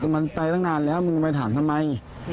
มันไปตั้งนานแล้วมึงไปถามทำไม